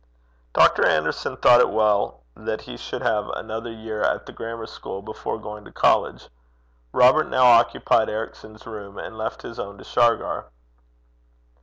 Dr. Anderson thought it well that he should have another year at the grammar school before going to college. Robert now occupied Ericson's room, and left his own to Shargar.